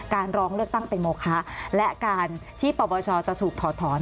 การร้องเลือกตั้งเป็นโมคะและการที่ปปชจะถูกถอดถอน